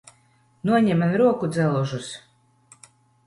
Noņem man rokudzelžus!